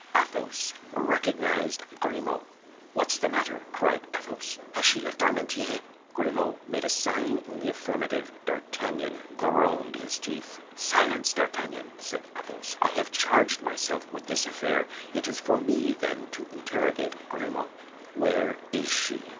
Athos recognized Grimaud. "What's the manner?" cried Athos. "Has she left Armentières?" Grimaud made a sign in the affirmative. D'Artagnan ground his teeth. "Silence, D'Artagnan!" said Athos. "I have charged myself with this affair. It is for me, then, to interrogate Grimaud." "Where is she?"